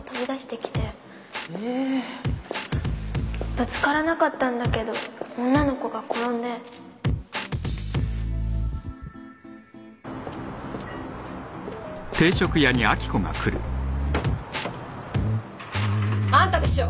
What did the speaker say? ぶつからなかったんだけど女の子が転んであんたでしょ！